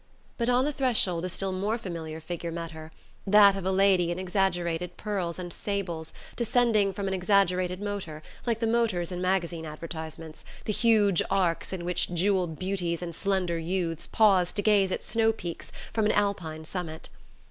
But on the threshold a still more familiar figure met her: that of a lady in exaggerated pearls and sables, descending from an exaggerated motor, like the motors in magazine advertisements, the huge arks in which jewelled beauties and slender youths pause to gaze at snowpeaks from an Alpine summit.